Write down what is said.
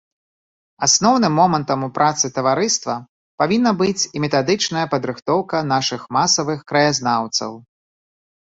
Асноўным момантам у працы таварыства павінна быць і метадычная падрыхтоўка нашых масавых краязнаўцаў.